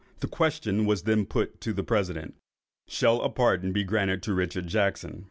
The question was then put by the president, "Shall a pardon be granted to Richard Jackson?"